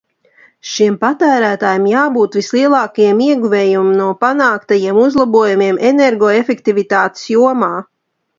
Šiem patērētājiem jābūt vislielākajiem ieguvējiem no panāktajiem uzlabojumiem energoefektivitātes jomā.